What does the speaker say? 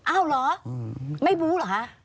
อ้าวเหรอไม่บู้เหรอคะ